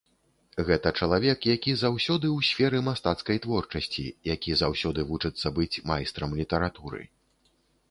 Гэта чалавек, які заўсёды ў сферы мастацкай творчасці, які заўсёды вучыцца быць майстрам літаратуры.